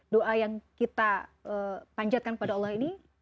doa yang kita panjatkan kepada allah ini